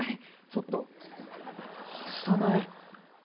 ちょっと沙苗。